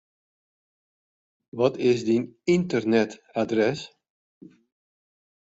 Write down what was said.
Wat is dyn ynternetadres?